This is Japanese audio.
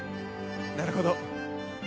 なるほど。